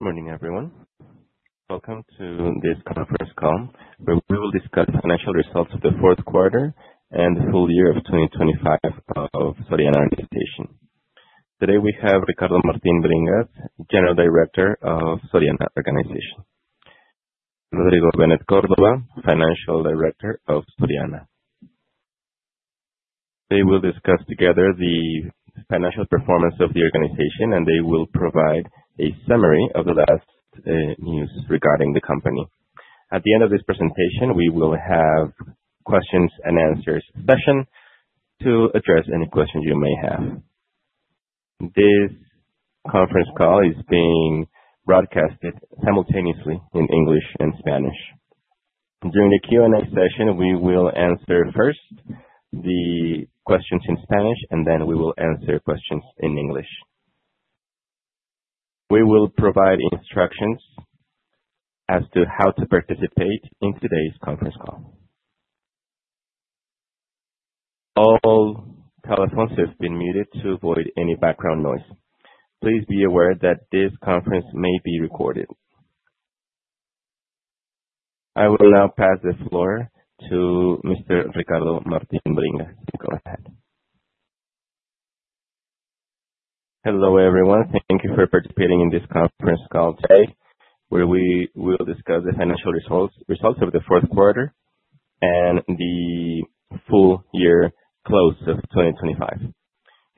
Good morning, everyone. Welcome to this conference call, where we will discuss Financial Results of the Fourth Quarter and the Full Year of 2025 of Organización Soriana. Today, we have Ricardo Martín Bringas, General Director of Organización Soriana, Rodrigo Benet Córdova, Financial Director of Soriana. They will discuss together the financial performance of the organization, and they will provide a summary of the last news regarding the company. At the end of this presentation, we will have questions and answers session to address any questions you may have. This conference call is being broadcasted simultaneously in English and Spanish. During the Q&A session, we will answer first the questions in Spanish, and then we will answer questions in English. We will provide instructions as to how to participate in today's conference call. All telephones have been muted to avoid any background noise. Please be aware that this conference may be recorded. I will now pass the floor to Mr. Ricardo Martín Bringas. Go ahead. Hello, everyone. Thank you for participating in this conference call today, where we will discuss the financial results, results of the fourth quarter and the full year close of 2025.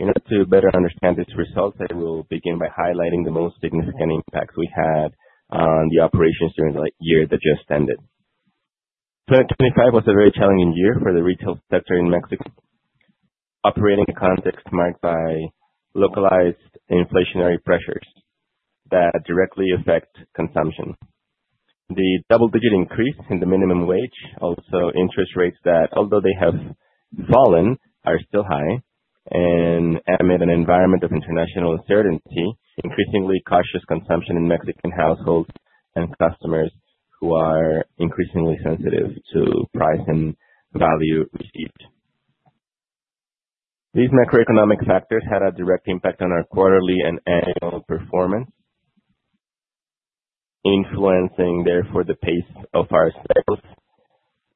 In order to better understand these results, I will begin by highlighting the most significant impacts we had on the operations during the year that just ended. 2025 was a very challenging year for the retail sector in Mexico, operating a context marked by localized inflationary pressures that directly affect consumption. The double-digit increase in the minimum wage, also, interest rates that, although they have fallen, are still high and amid an environment of international uncertainty, increasingly cautious consumption in Mexican households and customers who are increasingly sensitive to price and value received. These macroeconomic factors had a direct impact on our quarterly and annual performance, influencing, therefore, the pace of our sales,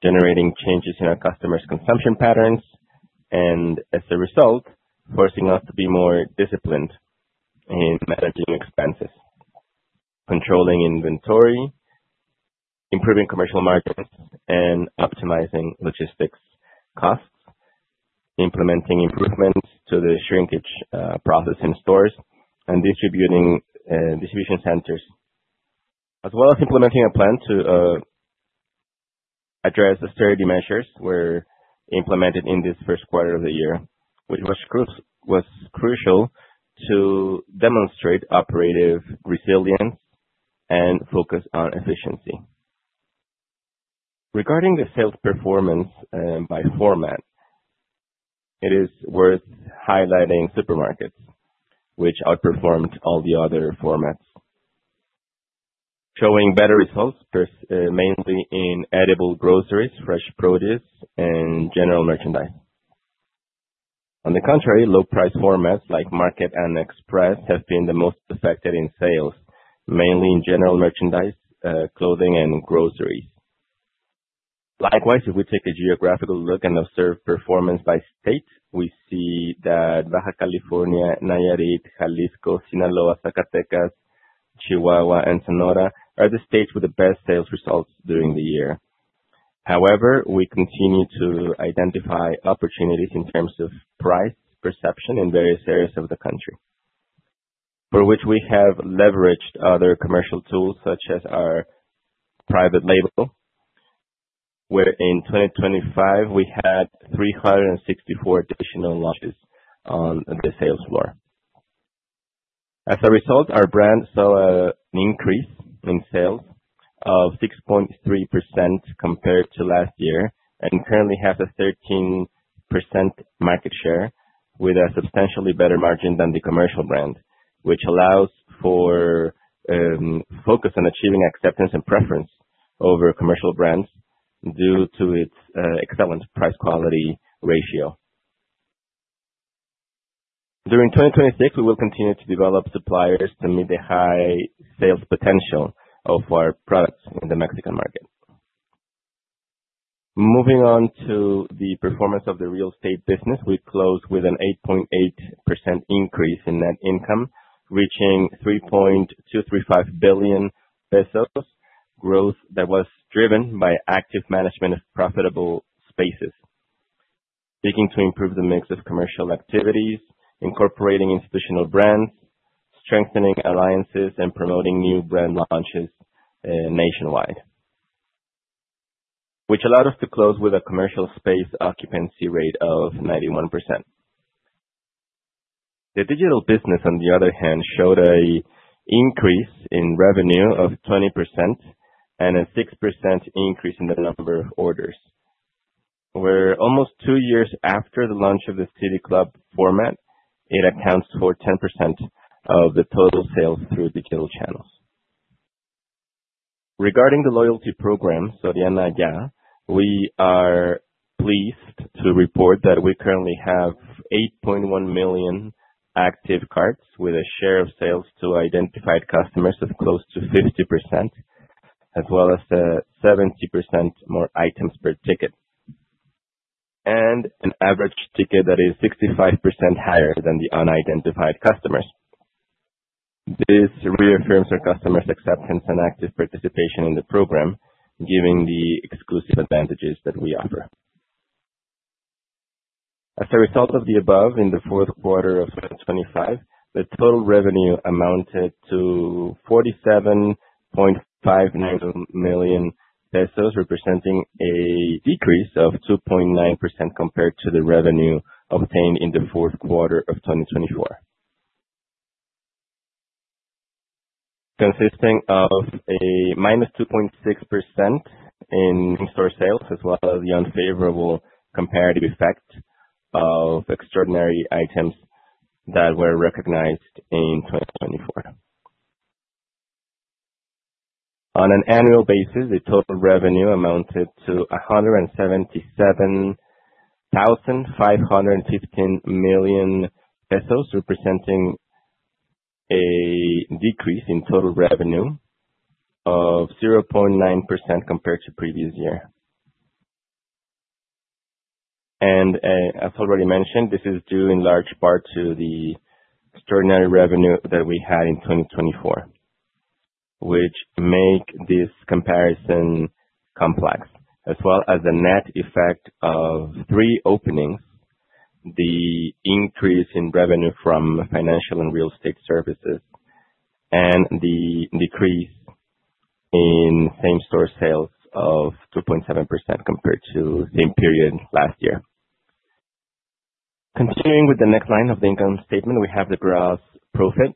generating changes in our customers' consumption patterns, and as a result, forcing us to be more disciplined in managing expenses, controlling inventory, improving commercial markets, and optimizing logistics costs, implementing improvements to the shrinkage process in stores and distribution centers. As well as implementing a plan to address austerity measures were implemented in this first quarter of the year, which was crucial to demonstrate operative resilience and focus on efficiency. Regarding the sales performance by format, it is worth highlighting supermarkets, which outperformed all the other formats, showing better results, first, mainly in edible groceries, fresh produce, and general merchandise. On the contrary, low-price formats like Market and Express have been the most affected in sales, mainly in general merchandise, clothing, and groceries. Likewise, if we take a geographical look and observe performance by state, we see that Baja California, Nayarit, Jalisco, Sinaloa, Zacatecas, Chihuahua, and Sonora are the states with the best sales results during the year. However, we continue to identify opportunities in terms of price perception in various areas of the country, for which we have leveraged other commercial tools, such as our private label, where in 2025 we had 364 additional launches on the sales floor. As a result, our brand saw an increase in sales of 6.3% compared to last year, and currently have a 13% market share with a substantially better margin than the commercial brand, which allows for focus on achieving acceptance and preference over commercial brands due to its excellent price-quality ratio. During 2026, we will continue to develop suppliers to meet the high sales potential of our products in the Mexican market. Moving on to the performance of the real estate business, we closed with an 8.8% increase in net income, reaching 3.235 billion pesos, growth that was driven by active management of profitable spaces, seeking to improve the mix of commercial activities, incorporating institutional brands, strengthening alliances, and promoting new brand launches nationwide, which allowed us to close with a commercial space occupancy rate of 91%. The digital business, on the other hand, showed a increase in revenue of 20% and a 6% increase in the number of orders, where almost two years after the launch of the City Club format, it accounts for 10% of the total sales through digital channels. Regarding the loyalty program, Soriana YA, we are pleased to report that we currently have 8.1 million active cards with a share of sales to identified customers of close to 50%, as well as 70% more items per ticket. An average ticket that is 65% higher than the unidentified customers. This reaffirms our customers' acceptance and active participation in the program, given the exclusive advantages that we offer. As a result of the above, in the fourth quarter of 2025, the total revenue amounted to 47.59 million pesos, representing a decrease of 2.9% compared to the revenue obtained in the fourth quarter of 2024. Consisting of a -2.6% in store sales, as well as the unfavorable comparative effect of extraordinary items that were recognized in 2024. On an annual basis, the total revenue amounted to 177,515 million pesos, representing a decrease in total revenue of 0.9% compared to previous year. And, as already mentioned, this is due in large part to the extraordinary revenue that we had in 2024, which make this comparison complex. As well as the net effect of three openings, the increase in revenue from financial and real estate services, and the decrease in same-store sales of 2.7% compared to the same period last year. Continuing with the next line of the income statement, we have the gross profit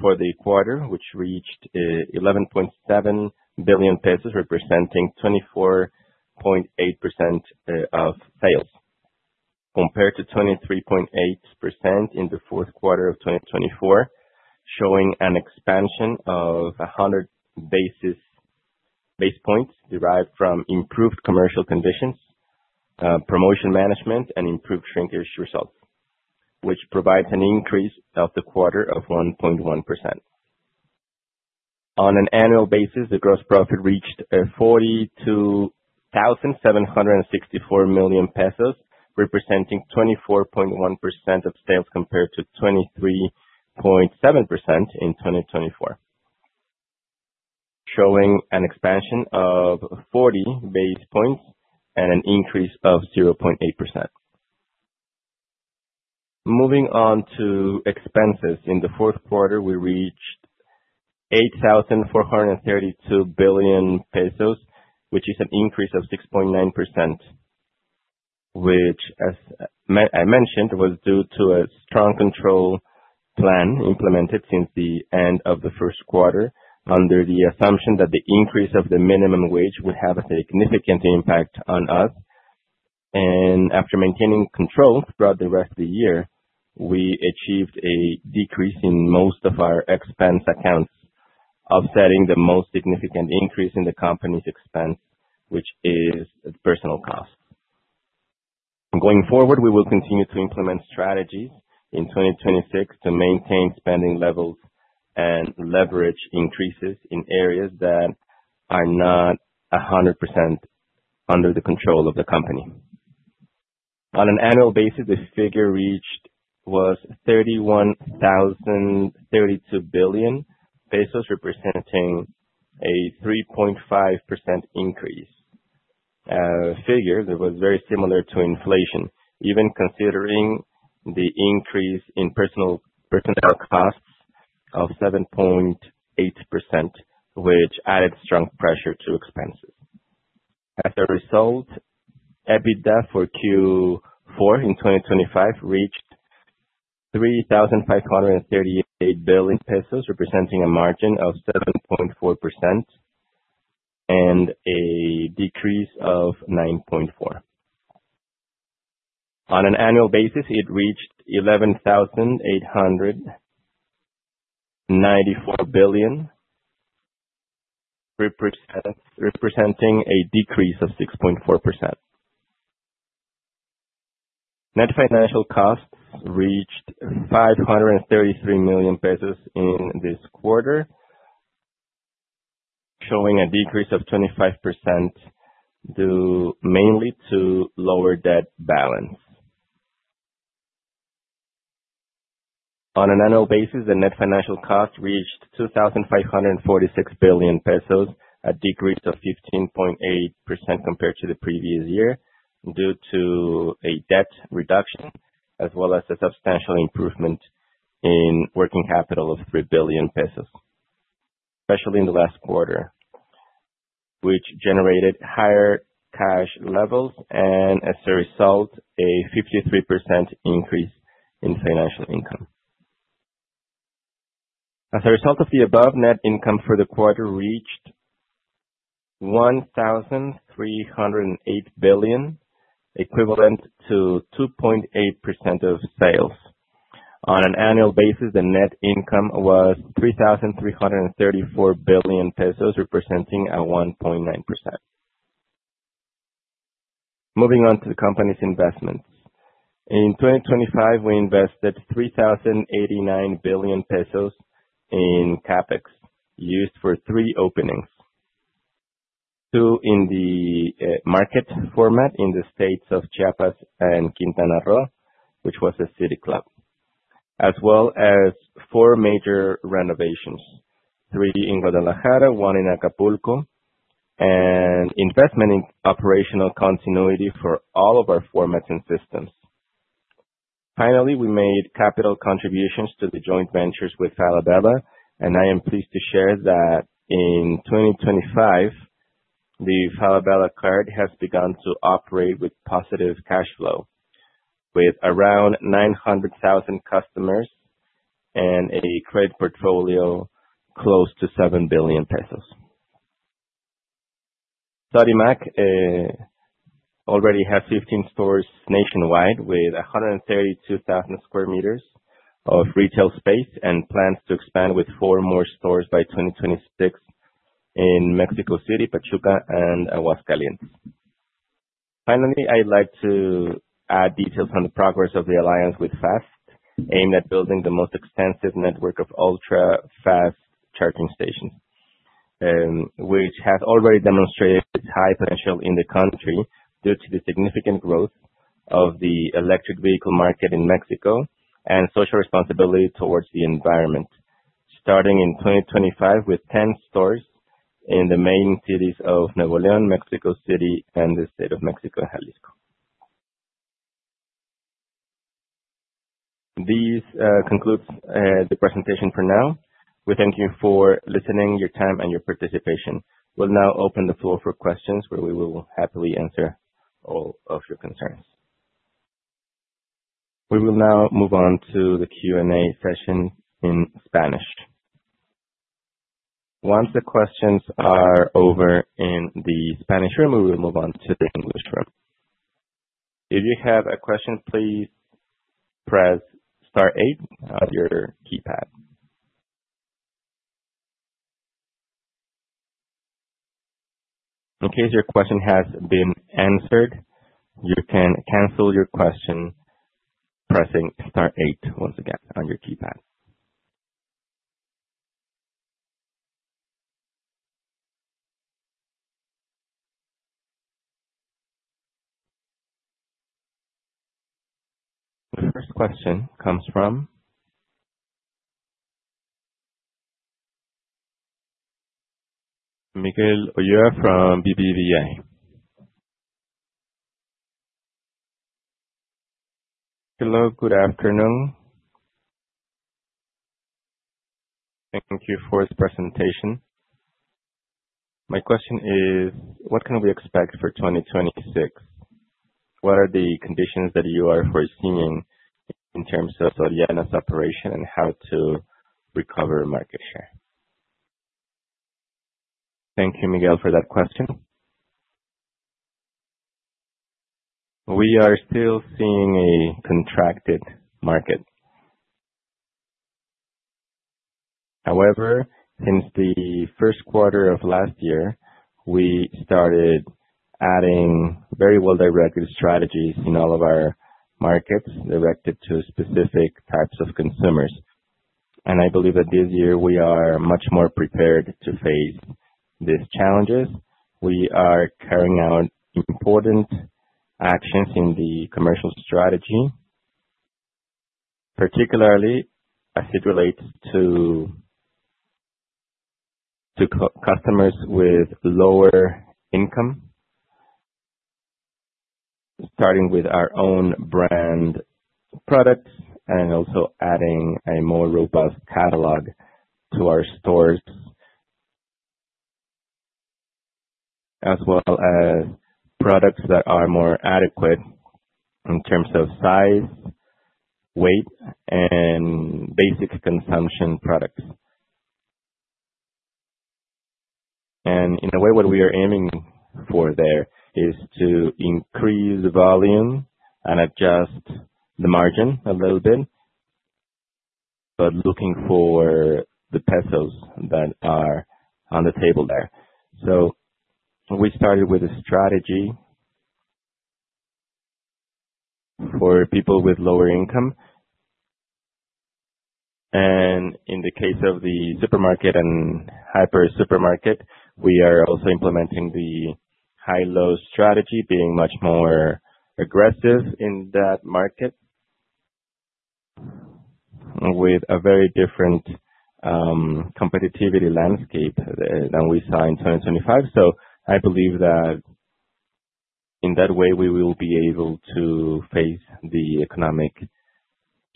for the quarter, which reached 11.7 billion pesos, representing 24.8% of sales, compared to 23.8% in the fourth quarter of 2024, showing an expansion of 100 basis points derived from improved commercial conditions, promotion management, and improved shrinkage results, which provides an increase of the quarter of 1.1%. On an annual basis, the gross profit reached 42,764 million pesos, representing 24.1% of sales, compared to 23.7% in 2024, showing an expansion of 40 basis points and an increase of 0.8%. Moving on to expenses. In the fourth quarter, we reached 8,432 billion pesos, which is an increase of 6.9%, which, as I mentioned, was due to a strong control plan implemented since the end of the first quarter, under the assumption that the increase of the minimum wage would have a significant impact on us. After maintaining control throughout the rest of the year, we achieved a decrease in most of our expense accounts, offsetting the most significant increase in the company's expense, which is personal cost. Going forward, we will continue to implement strategies in 2026 to maintain spending levels and leverage increases in areas that are not 100% under the control of the company. On an annual basis, the figure reached was 31,032 billion pesos, representing a 3.5% increase, figure that was very similar to inflation. Even considering the increase in personal costs of 7.8%, which added strong pressure to expenses. As a result, EBITDA for Q4 in 2025 reached 3,538 billion pesos, representing a margin of 7.4% and a decrease of 9.4%. On an annual basis, it reached 11,894 billion, representing a decrease of 6.4%. Net financial costs reached 533 million pesos in this quarter, showing a decrease of 25%, due mainly to lower debt balance. On an annual basis, the net financial cost reached 2,546 billion pesos, a decrease of 15.8% compared to the previous year, due to a debt reduction, as well as a substantial improvement in working capital of 3 billion pesos, especially in the last quarter, which generated higher cash levels, and as a result, a 53% increase in financial income. As a result of the above, net income for the quarter reached 1,308 billion, equivalent to 2.8% of sales. On an annual basis, the net income was 3,334 billion pesos, representing a 1.9%. Moving on to the company's investments. In 2025, we invested 3,089 billion pesos in CapEx, used for three openings. Two in the market format in the states of Chiapas and Quintana Roo, which was a City Club, as well as four major renovations, three in Guadalajara, one in Acapulco, and investment in operational continuity for all of our formats and systems. Finally, we made capital contributions to the joint ventures with Falabella, and I am pleased to share that in 2025, the Falabella card has begun to operate with positive cash flow, with around 900,000 customers and a credit portfolio close to MXN 7 billion. Sodimac already has 15 stores nationwide, with 132,000 square meters of retail space and plans to expand with four more stores by 2026 in Mexico City, Pachuca, and Tlaxcala. Finally, I'd like to add details on the progress of the alliance with Fast, aimed at building the most extensive network of ultra-fast charging stations, which have already demonstrated its high potential in the country due to the significant growth of the electric vehicle market in Mexico and social responsibility towards the environment. Starting in 2025 with 10 stores in the main cities of Nuevo León, Mexico City, and the State of Mexico, Jalisco. This concludes the presentation for now. We thank you for listening, your time, and your participation. We'll now open the floor for questions, where we will happily answer all of your concerns. We will now move on to the Q&A session in Spanish. Once the questions are over in the Spanish room, we will move on to the English room. If you have a question, please press star eight on your keypad. In case your question has been answered, you can cancel your question pressing star eight once again on your keypad. The first question comes from Miguel Ulloa from BBVA. Hello, good afternoon. Thank you for this presentation. My question is, what can we expect for 2026? What are the conditions that you are foreseeing in terms of Soriana's operation and how to recover market share? Thank you, Miguel, for that question. We are still seeing a contracted market. However, since the first quarter of last year, we started adding very well-directed strategies in all of our markets, directed to specific types of consumers. I believe that this year we are much more prepared to face these challenges. We are carrying out important actions in the commercial strategy, particularly as it relates to customers with lower income. Starting with our own brand products and also adding a more robust catalog to our stores. As well as products that are more adequate in terms of size, weight, and basic consumption products. And in a way, what we are aiming for there is to increase the volume and adjust the margin a little bit, but looking for the pesos that are on the table there. So we started with a strategy for people with lower income. And in the case of the supermarket and hyper supermarket, we are also implementing the High-Low Strategy, being much more aggressive in that market. With a very different, competitiveness landscape, than we saw in 2025. So I believe that in that way, we will be able to face the economic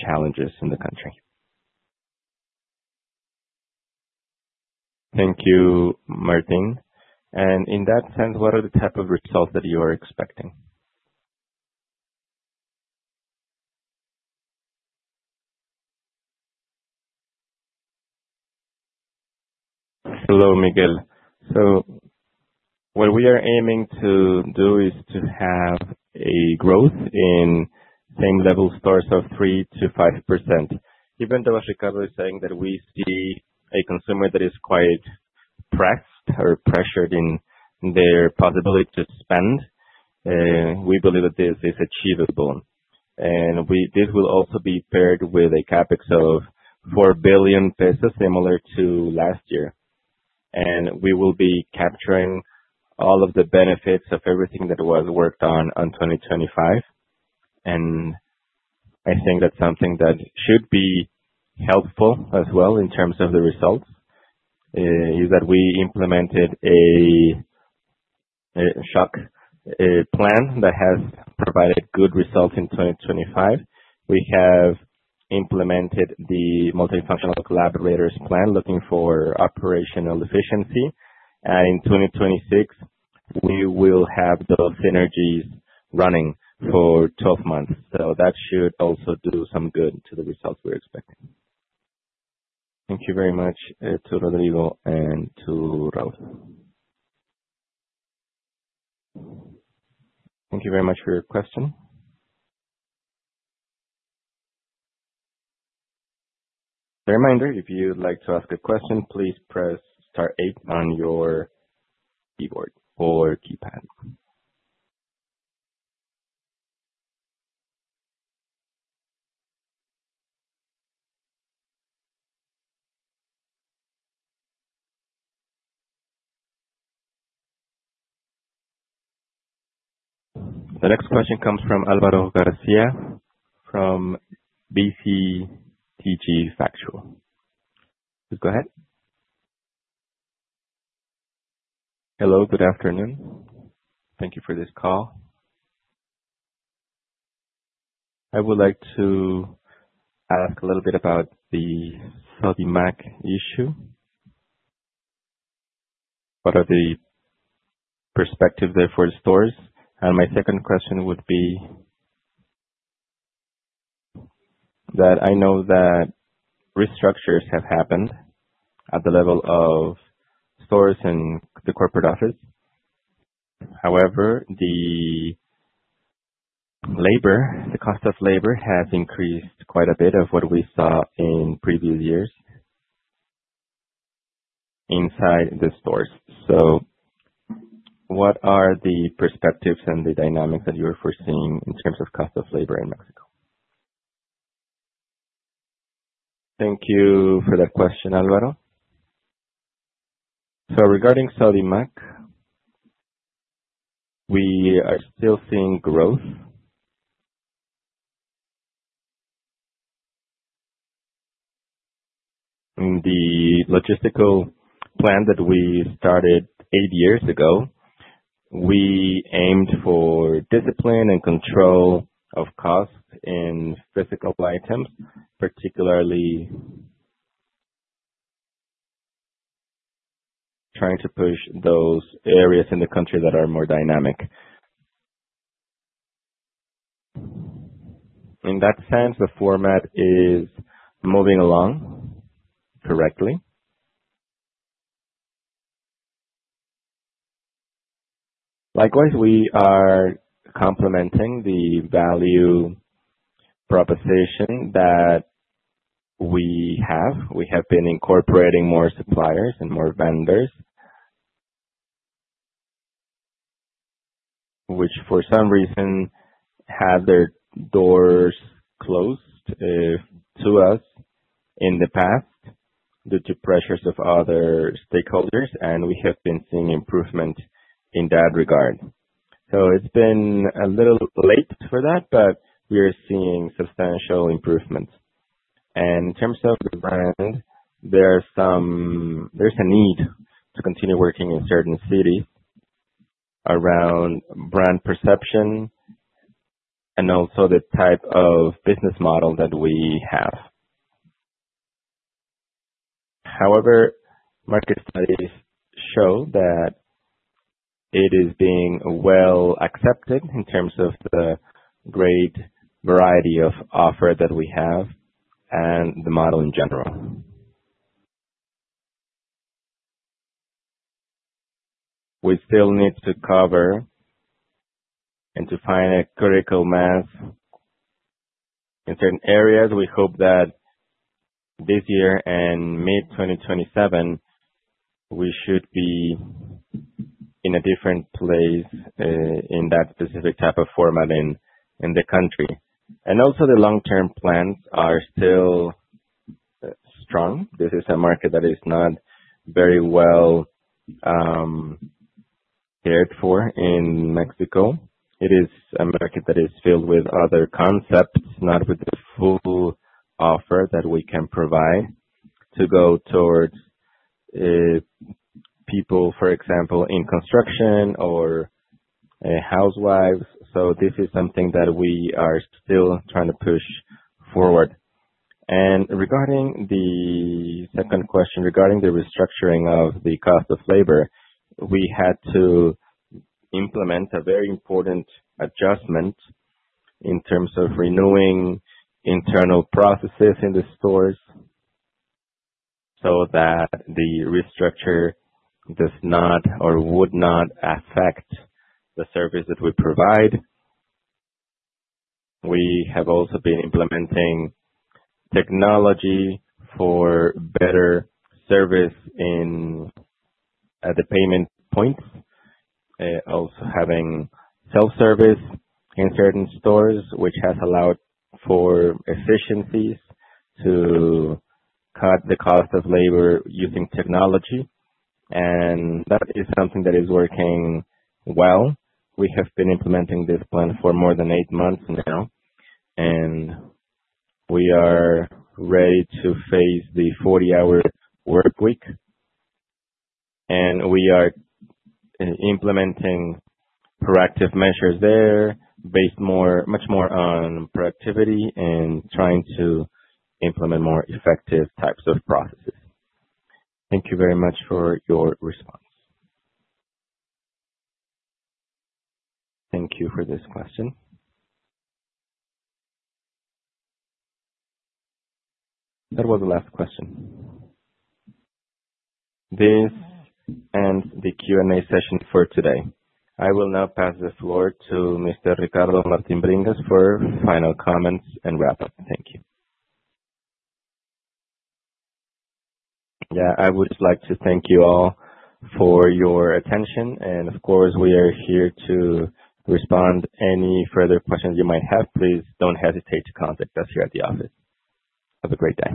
challenges in the country. Thank you, Martin. In that sense, what are the type of results that you are expecting? Hello, Miguel. So what we are aiming to do is to have a growth in same level stores of 3%-5%. Even though as Ricardo is saying, that we see a consumer that is quite pressed or pressured in their possibility to spend, we believe that this is achievable. And we - this will also be paired with a CapEx of 4 billion pesos, similar to last year. And we will be capturing all of the benefits of everything that was worked on, on 2025. And I think that's something that should be helpful as well in terms of the results, is that we implemented a shock plan that has provided good results in 2025. We have implemented the multifunctional collaborators plan, looking for operational efficiency. In 2026, we will have those synergies running for 12 months. So that should also do some good to the results we're expecting. Thank you very much to Rodrigo and to Ricardo. Thank you very much for your question. A reminder, if you'd like to ask a question, please press star eight on your keyboard or keypad. The next question comes from Alvaro Garcia from BTG Pactual. Please go ahead. Hello, good afternoon. Thank you for this call. I would like to ask a little bit about the Sodimac issue. What are the perspectives there for the stores? And my second question would be... That I know that restructures have happened at the level of stores and the corporate office. However, the labor, the cost of labor has increased quite a bit of what we saw in previous years inside the stores. So what are the perspectives and the dynamics that you're foreseeing in terms of cost of labor in Mexico? Thank you for that question, Alvaro. So regarding Sodimac, we are still seeing growth. In the logistical plan that we started eight years ago, we aimed for discipline and control of costs in physical items, particularly trying to push those areas in the country that are more dynamic. In that sense, the format is moving along correctly. Likewise, we are complementing the value proposition that we have. We have been incorporating more suppliers and more vendors. Which for some reason, had their doors closed, to us in the past due to pressures of other stakeholders, and we have been seeing improvement in that regard. So it's been a little late for that, but we are seeing substantial improvements. In terms of the brand, there's a need to continue working in certain cities around brand perception and also the type of business model that we have. However, market studies show that it is being well accepted in terms of the great variety of offer that we have and the model in general. We still need to cover and to find a critical mass in certain areas. We hope that this year, in mid-2027, we should be in a different place in that specific type of format in the country. And also the long-term plans are still strong. This is a market that is not very well cared for in Mexico. It is a market that is filled with other concepts, not with the full offer that we can provide to go towards people, for example, in construction or housewives. So this is something that we are still trying to push forward. Regarding the second question, regarding the restructuring of the cost of labor, we had to implement a very important adjustment in terms of renewing internal processes in the stores, so that the restructure does not or would not affect the service that we provide. We have also been implementing technology for better service at the payment points, also having self-service in certain stores, which has allowed for efficiencies to cut the cost of labor using technology. That is something that is working well. We have been implementing this plan for more than eight months now, and we are ready to face the 40-hour workweek, and we are implementing proactive measures there, based more, much more on productivity and trying to implement more effective types of processes. Thank you very much for your response. Thank you for this question. That was the last question. This ends the Q&A session for today. I will now pass the floor to Mr. Ricardo Martín Bringas for final comments and wrap-up. Thank you. Yeah, I would just like to thank you all for your attention, and of course, we are here to respond to any further questions you might have. Please don't hesitate to contact us here at the office. Have a great day.